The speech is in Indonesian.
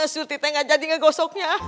surti t gak jadi ngegosoknya